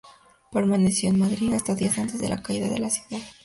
Permaneció en Madrid hasta días antes de la caída de la ciudad.